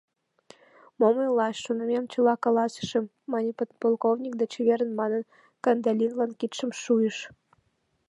— Мом ойлаш шонымем чыла каласышым, — мане подполковник да, «Чеверын!» манын, Кандалинлан кидшым шуйыш.